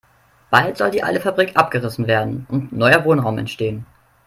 Bald soll die alte Fabrik abgerissen werden und neuer Wohnraum entstehen.